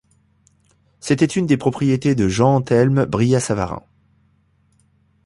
C'était une des propriétés de Jean Anthelme Brillat-Savarin.